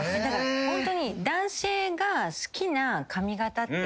ホントに男性が好きな髪形ってあります？